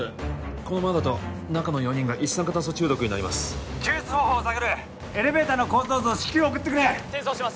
このままだと中の四人が一酸化炭素中毒になります救出方法を探るエレベーターの構造図を至急送ってくれ転送します